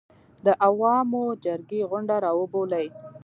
د عوامو جرګې غونډه راوبولي.